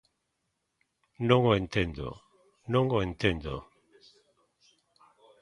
Non o entendo, non o entendo.